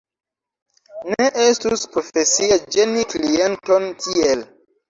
Ne estus profesie ĝeni klienton tiel.